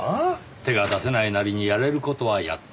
手が出せないなりにやれる事はやった。